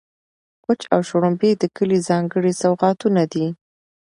کوچ او شړومبې د کلي ځانګړي سوغاتونه دي.